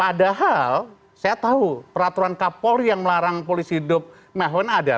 padahal saya tahu peraturan kapol yang melarang polisi hidup mewah mewah ada